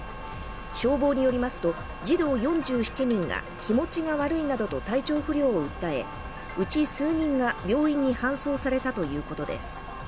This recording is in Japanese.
消防によりますと、児童４７人が気持ちが悪いなどと体調不良を訴え、うち数人が病院に搬送されたということです。